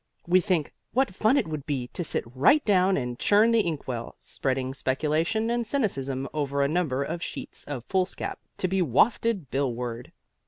We think what fun it would be to sit right down and churn the ink well, spreading speculation and cynicism over a number of sheets of foolscap to be wafted Billward.